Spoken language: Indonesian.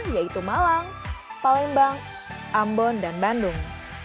yaitu malang palembang ambon dan bandung